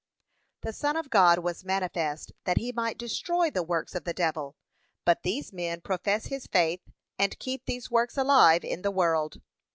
The Son of God was manifest that he might destroy the works of the devil, but these men profess his faith and keep these works alive in the world.